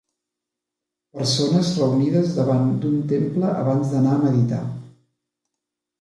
Persones reunides davant d'un temple abans d'anar a meditar.